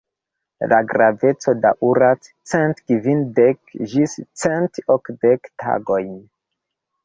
La gravedeco daŭras cent kvindek ĝis cent okdek tagojn.